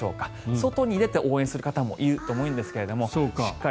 外に出て応援する方もいると思うんですけどもしっかり。